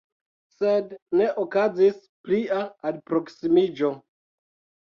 Sed ne okazis plia alproksimiĝo.